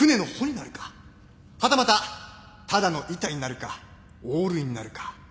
はたまたただの板になるかオールになるか。